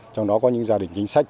trong đó có những gia đình chính sách